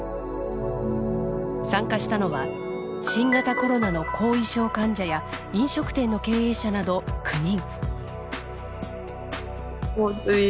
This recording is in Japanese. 参加したのは新型コロナの後遺症患者や飲食店の経営者など９人。